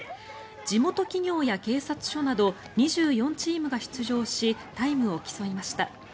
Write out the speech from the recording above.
地元企業や警察署など２４チームが出場しタイムを競いました。